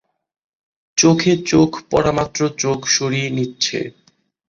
চোখে চোখ পড়ামাত্র চোখ সরিয়ে নিচ্ছে।